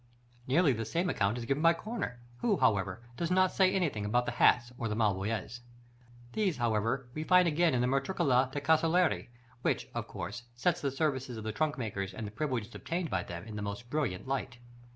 Nearly the same account is given by Corner, who, however, does not say anything about the hats or the malvoisie. These, however, we find again in the Matricola de' Casseleri, which, of course, sets the services of the trunkmakers and the privileges obtained by them in the most brilliant light.